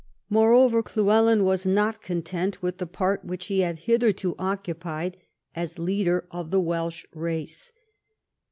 Moreover, Llywelyn was not content with the part which he had hitherto occupied as leader of the Welsh race.